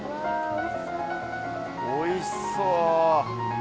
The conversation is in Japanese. おいしそう！